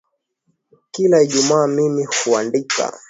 Kila ijumaa mimi huandika.